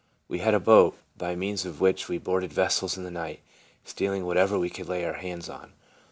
We had a boat, by means of which we boarded vessels in the night, stealing what ever we could lay our hands on.